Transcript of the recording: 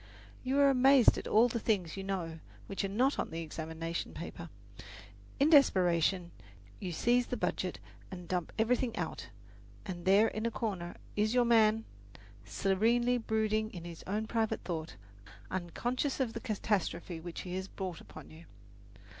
You are amazed at all the things you know which are not on the examination paper. In desperation you seize the budget and dump everything out, and there in a corner is your man, serenely brooding on his own private thought, unconscious of the catastrophe which he has brought upon you.